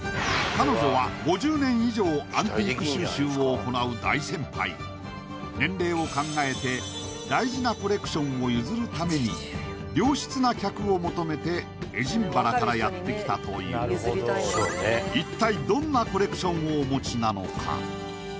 彼女は５０年以上アンティーク収集を行う大先輩年齢を考えて大事なコレクションを譲るために良質な客を求めてエジンバラからやってきたという一体どんなコレクションをお持ちなのか？